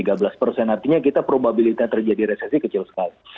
artinya kita probabilitas resesi terjadi kecil sekali